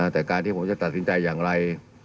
แต่การที่ผมจะตัดสินใจอย่างไร